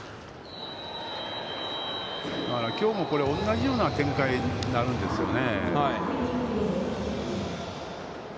だから、きょうも同じような展開になるんですよね。